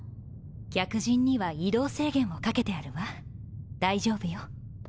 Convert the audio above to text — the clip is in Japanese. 客人には移動制限をかけてあるわ大丈夫よ。